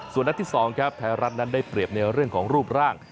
ส่วนนัดที่๒ครับไทยรัฐนั้นได้เปรียบในเรื่องของรูปร่าง